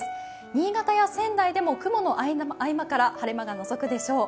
新潟や仙台でも雲の合間から晴れ間がのぞくでしょう。